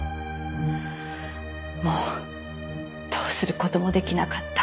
もうどうする事もできなかった。